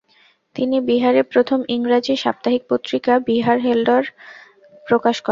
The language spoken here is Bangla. তিনি বিহারে প্রথম ইংরাজী সাপ্তাহিক পত্রিকা "বিহার হেরল্ড" প্রকাশ করেন।